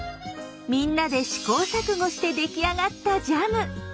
みんなで試行錯誤して出来上がったジャム。